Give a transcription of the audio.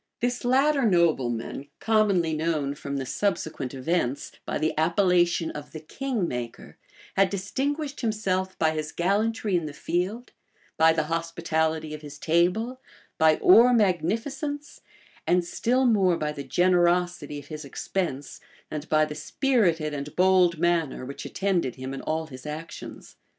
This latter nobleman commonly known, from the subsequent events, by the appellation of the "king maker," had distinguished himself by his gallantry in the field, by the hospitality of his table, by Ore magnificence, and still more by the generosity, of his expense, and by the spirited and bold manner which attended him in all his actions.